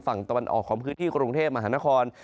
ฝั่นตำรวจของพื้นที่คลุงเทพมหานคร